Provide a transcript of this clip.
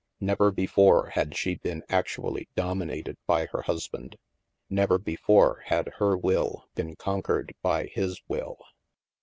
Never before had she been actually dominated by her husband. Never before had her will been conquered by his will.